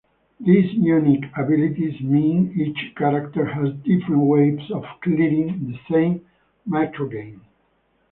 These unique abilities mean each character has different ways of clearing the same microgame.